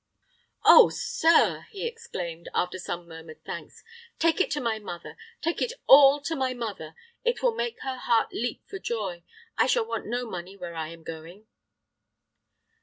"Oh, sir," he exclaimed, after some murmured thanks, "take it to my mother take it all to my mother. It will make her heart leap for joy. I shall want no money where I am going."